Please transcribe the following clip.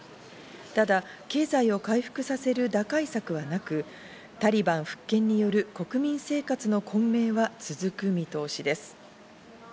ただ経済を回復させる打開策はなく、タリバン復権による国民生活の混迷は続く見通しです。